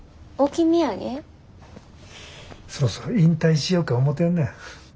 そろそろ引退しよか思てんね。